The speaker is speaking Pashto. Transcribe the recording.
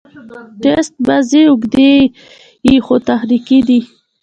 ټېسټ بازي اوږدې يي، خو تخنیکي دي.